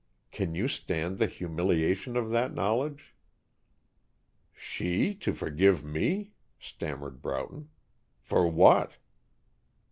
Can you stand the humiliation of that knowledge?" "She to forgive me?" stammered Broughton. "For what?"